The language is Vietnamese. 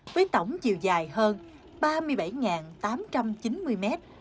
với tổng chiều dài hơn ba mươi bảy tám trăm chín mươi mét